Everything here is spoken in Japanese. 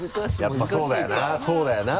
やっぱそうだよなそうだよな。